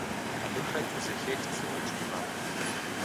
Абы хэту зэхех дзыгъуэ кӀий макъ.